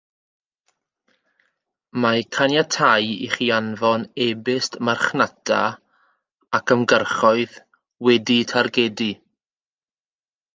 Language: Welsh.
Mae'n caniatáu i chi anfon e-byst marchnata ac ymgyrchoedd wedi'u targedu